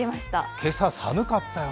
今朝、寒かったよね。